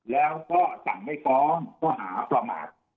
แล้วก็สั่งไม่ฟ้องข้อหาประมาท